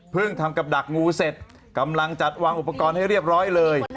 ทำกับดักงูเสร็จกำลังจัดวางอุปกรณ์ให้เรียบร้อยเลย